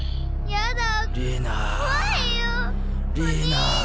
やだ